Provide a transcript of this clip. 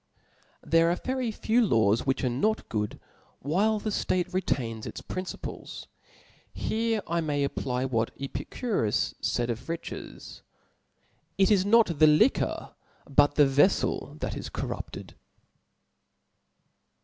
There are very few laws which are not good, (•) Piu while the ftatc retains its principles : here I may m^il, apply wkat Epicurus faid of riches •, it is not tbe li "^^t^' ifiiorf bttt ibe veffil^ that ts corrupted.